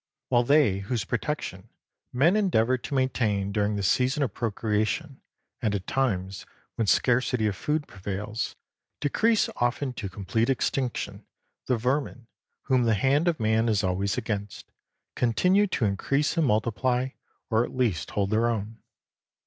While they whose protection men endeavor to maintain during the season of procreation, and at times when scarcity of food prevails, decrease often to complete extinction, the vermin, whom the hand of man is always against, continue to increase and multiply, or at least hold their own.